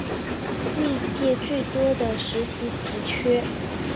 历届最多的实习职缺